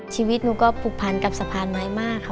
ชีวิตหนูก็ผูกพันกับสะพานไม้มากค่ะ